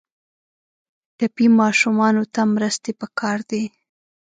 ټپي ماشومانو ته مرستې پکار دي.